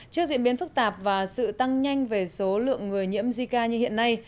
trước diễn biến phức tạp và sự tăng nhanh về số lượng người nhiễm jica như hiện nay